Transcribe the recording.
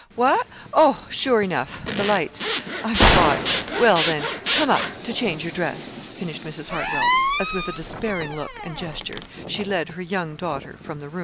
"What? Oh, sure enough the lights! I forgot. Well, then, come up to change your dress," finished Mrs. Hartwell, as with a despairing look and gesture she led her young daughter from the room.